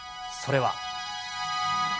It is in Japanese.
それは。